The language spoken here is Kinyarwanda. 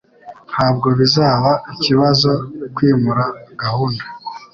Ntabwo bizaba ikibazo kwimura gahunda.